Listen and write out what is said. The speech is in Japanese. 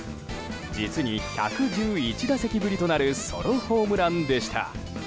実に１１１打席ぶりとなるソロホームランでした。